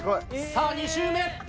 さあ２周目。